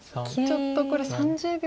ちょっとこれ３０秒。